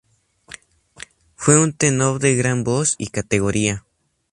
Fue un tenor de gran voz y categoría.